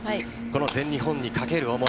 全日本にかける思い